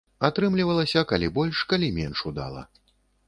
Атрымлівалася калі больш, калі менш удала.